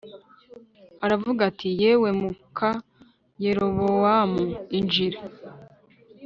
aravuga ati “Yewe muka Yerobowamu, injira